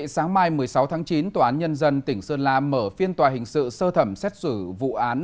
sáng mai một mươi sáu tháng chín tòa án nhân dân tỉnh sơn la mở phiên tòa hình sự sơ thẩm xét xử vụ án